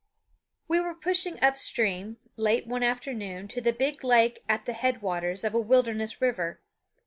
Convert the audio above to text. We were pushing upstream, late one afternoon, to the big lake at the headwaters of a wilderness river.